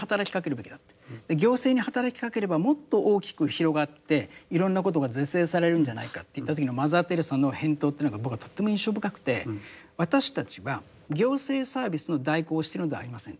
行政に働きかければもっと大きく広がっていろんなことが是正されるんじゃないかと言った時のマザー・テレサの返答というのが僕はとっても印象深くて私たちは行政サービスの代行をしてるのではありませんと。